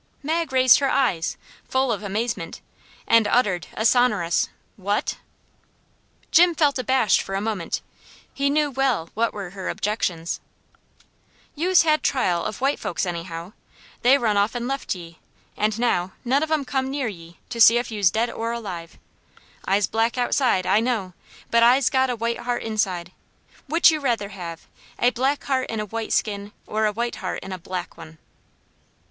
Mag raised her eyes, full of amazement, and uttered a sonorous "What?" Jim felt abashed for a moment. He knew well what were her objections. "You's had trial of white folks any how. They run off and left ye, and now none of 'em come near ye to see if you's dead or alive. I's black outside, I know, but I's got a white heart inside. Which you rather have, a black heart in a white skin, or a white heart in a black one?"